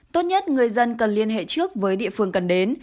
tốt nhất người dân cần liên hệ trước với địa phương cần đến